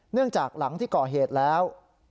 เนื่องจากหลังที่เกาะเหตุแล้ว